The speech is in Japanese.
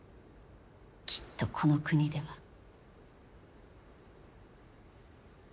きっとこの国では。